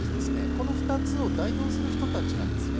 この２つを代表する人たちなんですね。